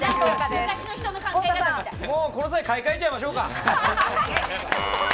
この際、買いかえちゃいましょうか。